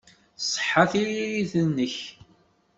Tṣeḥḥa tririt-nnek.